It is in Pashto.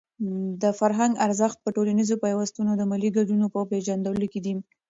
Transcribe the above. د فرهنګ ارزښت په ټولنیز پیوستون او د ملي ګټو په پېژندلو کې دی.